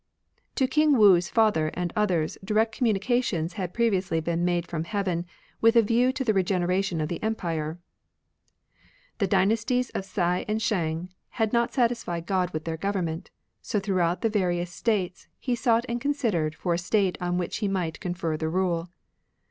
To King Wu's father, and others, direct communications had previously been made from heaven, with a view to the regeneration of the empire :— The dynasties of Hsia and Shang Had not satisfied God with their government ; So throughout the various States He sought and considered For a State on which He might confer the rule.